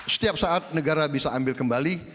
setiap saat negara bisa ambil kembali